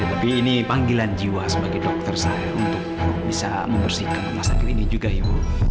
lebih ini panggilan jiwa sebagai dokter saya untuk bisa membersihkan rumah sakit ini juga ibu